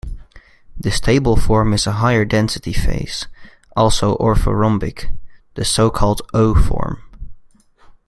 The stable form is a higher density phase, also orthorhombic, the so-called O' form.